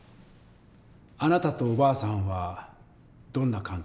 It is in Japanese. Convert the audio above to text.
あなたとおばあさんはどんな関係でしたか？